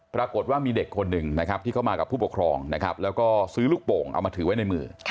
ปรากฏว่ามีเด็กคนหนึ่งนะครับที่เข้ามากับผู้ปกครองนะครับแล้วก็ซื้อลูกโป่งเอามาถือไว้ในมือ